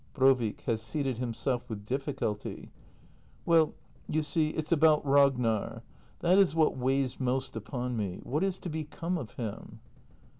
Brovik. [Has seated himself with difficulty.] Well, you see, it's about Ragnar. That is what weighs most upon me. What is to become of him